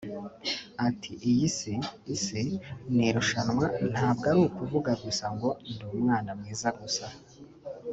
Ati “Iyi Si (isi) ni irushanwa ntabwo ari ukuvuga gusa ngo ndi umwana mwiza gusa